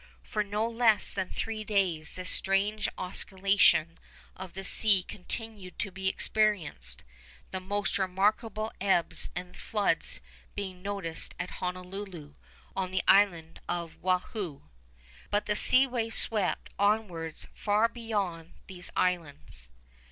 For no less than three days this strange oscillation of the sea continued to be experienced, the most remarkable ebbs and floods being noticed at Honolulu, on the island of Woahoo. But the sea wave swept onwards far beyond these islands.